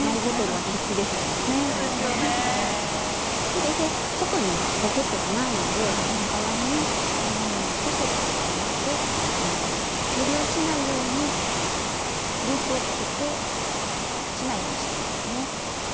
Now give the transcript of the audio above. それで外にはポケットがないので代わりにこのようなポシェットを作ってずり落ちないようにループをつけて落ちないようにしていますね。